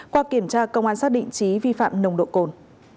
qua kiểm tra công an xác định trí vi phạm nồng độ cồn